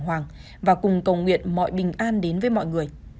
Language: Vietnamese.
họ đều tự hào và cùng cầu nguyện mọi bình an đến với mọi người